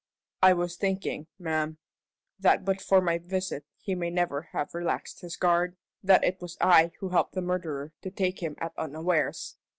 "I was thinking, ma'am, that but for my visit he might never have relaxed his guard that it was I who helped the murderer to take him at unawares.